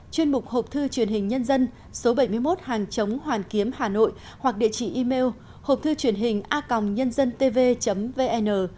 chuyên mục hộp thư truyền hình nhân dân số bảy mươi một hàng chống hoàn kiếm hà nội hoặc địa chỉ email hộpthư truyền hình a nh tv vn